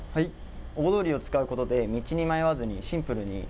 大通りを使うことで、道に迷わずにシンプルに。